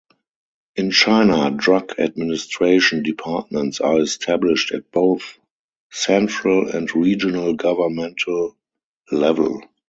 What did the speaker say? In China, drug administration departments are established at both central and regional governmental level.